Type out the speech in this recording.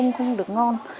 nó sẽ không được ngon